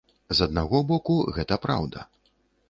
З аднаго боку, гэта праўда.